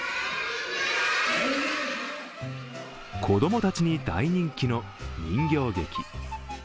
子供たちに大人気の人形劇。